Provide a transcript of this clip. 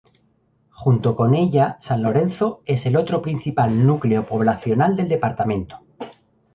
Junto con ella, San Lorenzo es el otro principal núcleo poblacional del departamento.